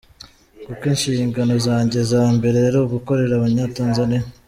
Kuko inshingano zanjye za mbere ari ugukorera Abanyatanzania.